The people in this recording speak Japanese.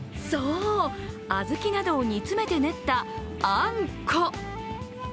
そう、小豆などを煮詰めて練ったあんこ。